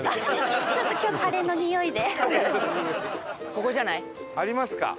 ここじゃない？ありますか？